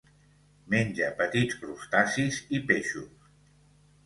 Menja petits crustacis i peixos.